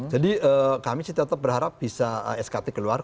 jadi kami sih tetap berharap bisa skt keluar